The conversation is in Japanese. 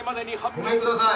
・ごめんください。